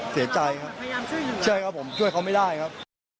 เสียใจครับใช่ครับผมช่วยเขาไม่ได้ครับ